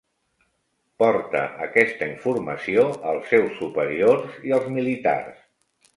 Porta aquesta informació als seus superiors i als militars.